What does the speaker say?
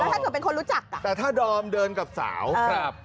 ถ้าเกิดเป็นคนรู้จักอ่ะแต่ถ้าดอมเดินกับสาวครับ